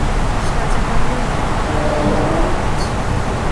সাজেদাকেও অনেক বাধার মুখে পড়তে হয়েছে।